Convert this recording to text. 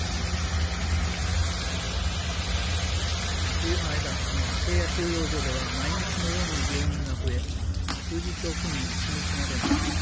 冬の間セーヤ収容所では毎日のように病人が増え数日置きに死ぬ人が出ました。